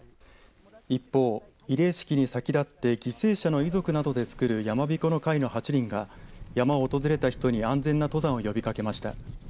一方、慰霊式に先だって犠牲者の遺族などでつくる山びこの会の８人が山を訪れた人に安全な登山を呼びかけました。